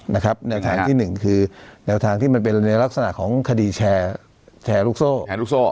แนวทางที่หนึ่งคือแนวทางที่มันเป็นในลักษณะของคดีแชร์ลูกโซ่แชร์ลูกโซ่